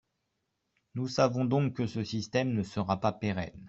Nous savons donc que ce système ne sera pas pérenne.